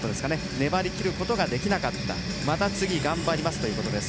粘りきることができなかったまた次頑張りますということです。